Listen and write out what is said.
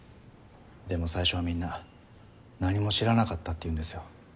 でも最初はみんな「何も知らなかった」って言うんですよ。